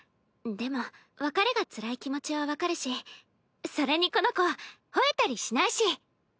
でも別れがつらい気持ちは分かるしそれにこの子吠えたりしないし。